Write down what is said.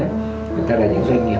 người ta là những doanh nghiệp